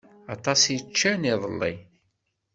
Aṭas i ččant iḍelli.